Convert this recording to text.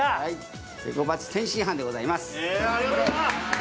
ベコバチ天津飯でございます。